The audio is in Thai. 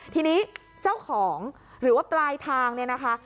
ทีนี้เจ้าของหรือว่าปลายทางเนี่ยนะคะ